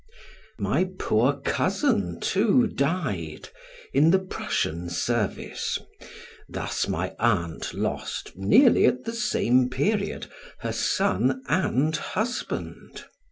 My poor cousin, too, died in the Prussian service; thus my aunt lost, nearly at the same period, her son and husband.